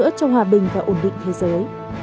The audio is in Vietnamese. và một lần nữa cho hòa bình và ổn định thế giới